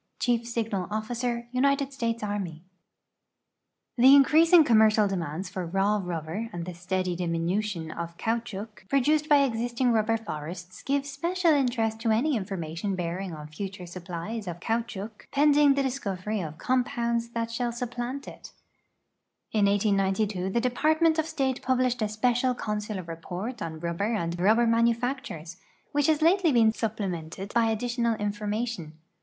Chief SiyiKil ()(}ic(r, Ciiilrd Slatrx Anni/ The incre; vsin<f coiumercial dt'inands for r;;\v nil)l)or and tlie steady diminution of eaoutehouc produced l)y existinir i uhlicr forests give special interest to any information bearing' on future supplies of caoutchouc pending the discovery of comj)ounds tliat shall supi)lantit. In liSD'i the Department of State puhlished a Spt'cial Consular Rei»ort on ruliher and ruhlicr manufactures, which has lately been su])plemented hy additional information.